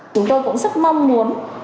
chúng tôi cũng rất mong muốn